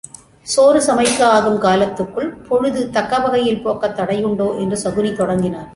சோறு சமைக்க ஆகும் காலத்துக்குள் பொழுது தக்க வகையில் போக்கத் தடையுண்டோ என்று சகுனி தொடங்கினான்.